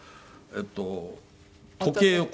えっと時計を。